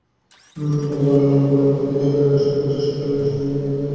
তবে গরু লালন-পালনের মধ্যে দিয়ে দৈন্যদশা ঘুচে সচ্ছলতা এসেছে তাদের জীবনে।